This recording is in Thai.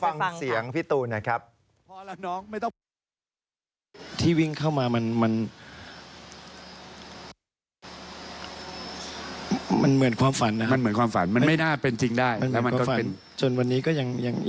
อ่าเดี๋ยวไปฟังค่ะพี่ตูน่ะครับพอแล้วน้องไม่ต้อง